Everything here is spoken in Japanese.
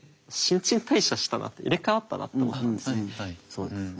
そうですね。